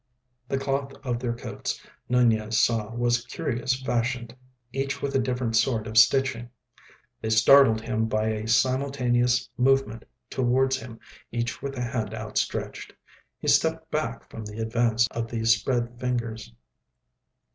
The cloth of their coats, Nunez saw was curious fashioned, each with a different sort of stitching. They startled him by a simultaneous movement towards him, each with a hand outstretched. He stepped back from the advance of these spread fingers.